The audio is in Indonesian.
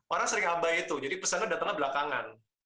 orang sering abai itu jadi pesannya datangnya belakangan